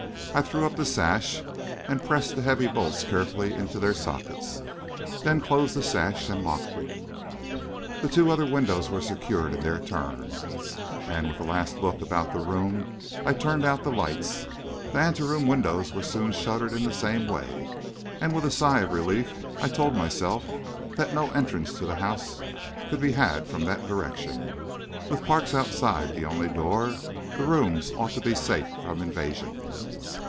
I threw up the sash, and pressed the heavy bolts carefully into their sockets, then closed the sash and locked it. The two other windows were secured in their turn, and with a last look about the room, I turned out the lights. The ante room windows were soon shuttered in the same way, and with a sigh of relief I told myself that no entrance to the house could be had from that direction. With Parks outside the only door, the rooms ought to be safe from invasion.